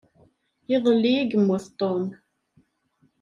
Iḍelli i yemmut Tom.